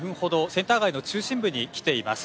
センター街の中心部に来ています。